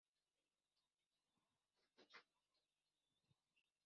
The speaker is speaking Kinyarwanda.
azavuka yarapfuye.